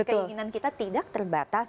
keinginan kita tidak terbatas